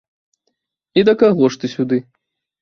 І да каго ж ты сюды?